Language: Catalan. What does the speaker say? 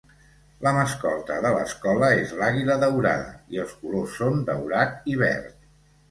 La mascota de l'escola és l'àguila daurada i els colors són daurat i verd.